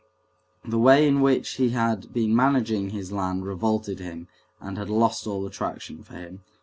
The way in which he had been managing his land revolted him and had lost all attraction for him.